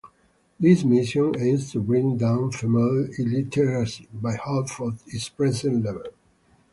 This mission aims to bring down female illiteracy by half of its present level.